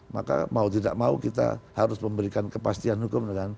maka mau tidak mau kita harus memberikan kepastian hukum